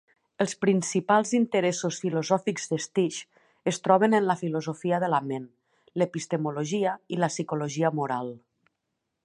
Els principals interessos filosòfics de Stich es troben en la filosofia de la ment, l'epistemologia i la psicologia moral.